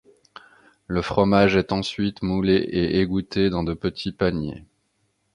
Le fromage est ensuite moulé et égoutté dans de petits paniers.